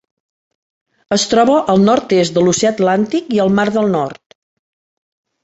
Es troba al nord-est de l'Oceà Atlàntic i al Mar del Nord.